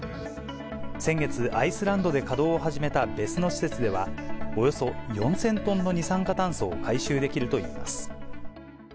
先月、アイスランドで稼働を始めた別の施設では、およそ４０００トンの二酸化炭素を回収できるといいます。